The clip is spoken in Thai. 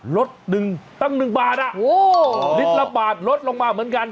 ลดหนึ่งตั้ง๑บาทลิตรละบาทลดลงมาเหมือนกัน